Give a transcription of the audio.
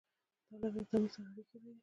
دا له هغې تعامل سره اړیکه لري.